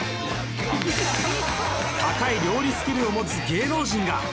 高い料理スキルを持つ芸能人が